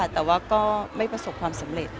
แต่ว่าก็ไม่ประสบความสำเร็จ